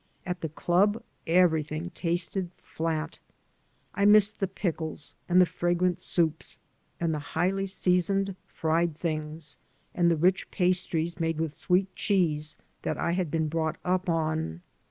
At the club everything tasted flat. I missed the pickles and the fragrant soups and the highly seasoned fried things and the rich pastries made with sweet cheese that I had been brought up on.